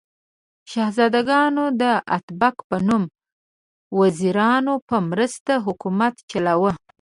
شهزادګانو د اتابک په نوم وزیرانو په مرسته حکومت چلاوه.